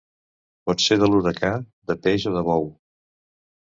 Pot ser de l'huracà, de peix o de bou.